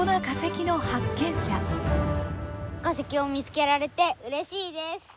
化石を見つけられてうれしいです。